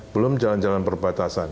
belum jalan jalan perbatasan